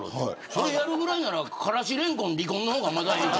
それやるぐらいならからし蓮根の離婚の方がまだええわ。